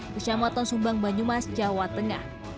kecamatan sumbang banyumas jawa tengah